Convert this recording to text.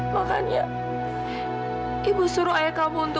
makanya ibu suruh ayah kamu untuk